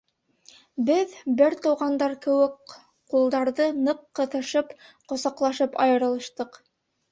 Беҙ, бер туғандар кеүек, ҡулдарҙы ны к ҡыҫышып, ҡосаҡлашып айырылыштыҡ.